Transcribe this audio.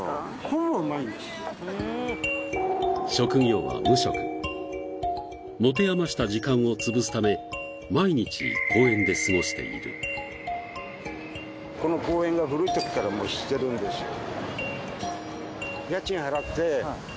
ほぼ毎日持て余した時間をつぶすため毎日公園で過ごしているこの公園が古いときからもう知ってるんですよ